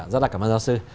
rất là cảm ơn giáo sư